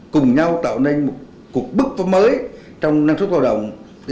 cùng nhau tạo nên một cuộc bức tượng